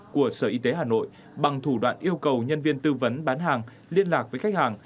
của sở y tế hà nội bằng thủ đoạn yêu cầu nhân viên tư vấn bán hàng liên lạc với khách hàng